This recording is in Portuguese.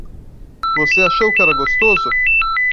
Você achou que era gostoso?